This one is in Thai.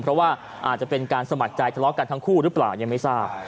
เพราะว่าอาจจะเป็นการสมัครใจทะเลาะกันทั้งคู่หรือเปล่ายังไม่ทราบ